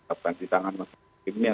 tetapkan di tangan masyarakat hakimnya